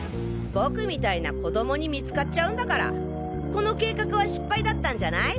僕みたいな子供に見つかっちゃうんだからこの計画は失敗だったんじゃない？